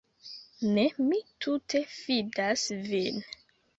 Ne, mi tute fidas vin.